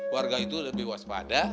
warga itu lebih waspada